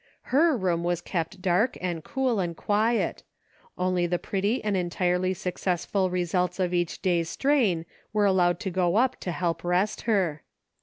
Her room was kept dark, and cool, and quiet' ; only the pretty and entirely successful results of each day's strain were allowed to go up to help rest her.